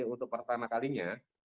untuk pertama kalinya